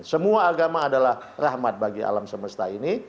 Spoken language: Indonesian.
semua agama adalah rahmat bagi alam semesta ini